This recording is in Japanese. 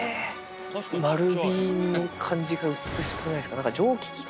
丸みの感じが美しくないですか。